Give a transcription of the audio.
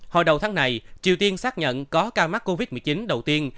hồi đầu tháng này triều tiên xác nhận có ca mắc covid một mươi chín đầu tiên